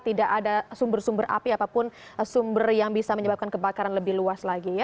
tidak ada sumber sumber api apapun sumber yang bisa menyebabkan kebakaran lebih luas lagi ya